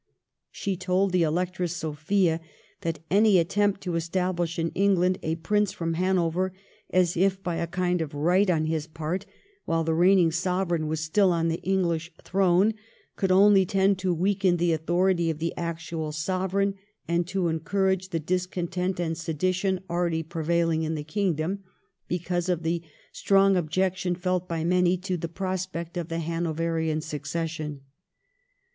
She told the Electress Sophia that any attempt to establish in England a Prince from Hanover, as if by a kind of right on his part, while the reigning Sovereign was still on the English throne could only tend to weaken the authority of the actual Sovereign, and to encourage the discontent and sedition already prevailing in the kingdom, because of the strong objection felt by many to the prospect of the Hanoverian succession.